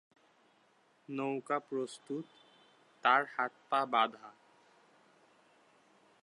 নৌকা প্রস্তুত, তার হাত পা বাঁধা।